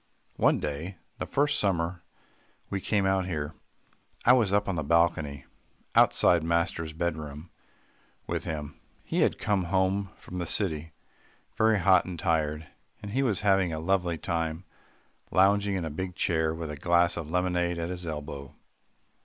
One day, the first summer we came out here, I was up on the balcony outside master's bed room with him. He had come home from the city very hot and tired, and he was having a lovely time lounging in a big chair with a glass of lemonade at his elbow.